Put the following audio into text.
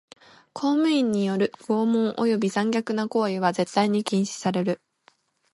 公務員による拷問および残虐な行為は絶対に禁止される。